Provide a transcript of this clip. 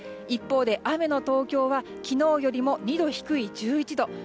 一方で雨の東京は昨日よりも２度低い１１度。